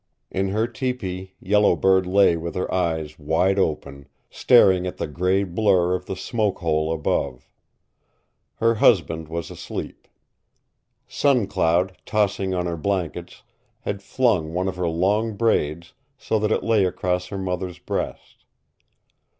In her tepee Yellow Bird lay with her eyes wide open, staring at the gray blur of the smoke hole above. Her husband was asleep. Sun Cloud, tossing on her blankets, had flung one of her long braids so that it lay across her mother's breast.